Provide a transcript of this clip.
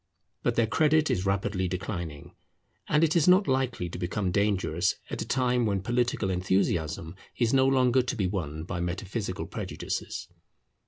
But their credit is rapidly declining; and it is not likely to become dangerous at a time when political enthusiasm is no longer to be won by metaphysical prejudices.